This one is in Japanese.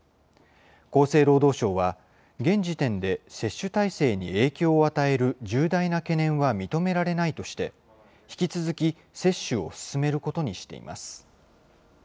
厚生労働省は、現時点で接種体制に影響を与える重大な懸念は認められないとして、引き続き接種を進めることにしています。